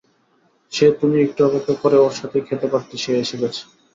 তো তুমি একটু অপেক্ষা করে ওর সাথেই খেতে পারতে সে এসে গেছে!